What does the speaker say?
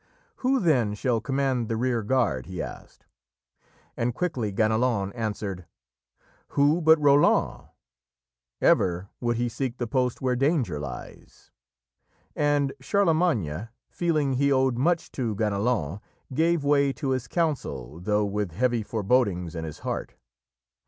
"Who, then, shall command the rearguard?" he asked. And quickly Ganelon answered, "Who but Roland? Ever would he seek the post where danger lies." And Charlemagne, feeling he owed much to Ganelon, gave way to his counsel, though with heavy forebodings in his heart.